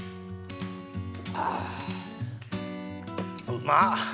うまっ！